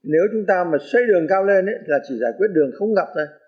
nếu chúng ta mà xoay đường cao lên thì chỉ giải quyết đường không ngập thôi